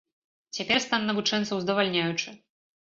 Цяпер стан навучэнцаў здавальняючы.